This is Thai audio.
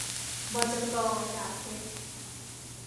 บจก.ดาบเพ็ชร์